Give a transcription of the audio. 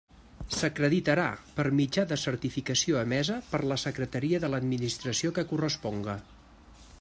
S'acreditarà per mitjà de certificació emesa per la Secretaria de l'administració que corresponga.